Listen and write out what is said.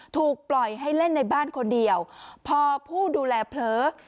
ถูกปล่อยให้เล่นในบ้านคนเดียวพอผู้ดูแลเผลอ